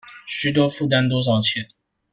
須多負擔多少錢